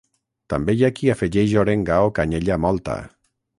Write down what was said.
També hi ha qui hi afegeix orenga o canyella mòlta.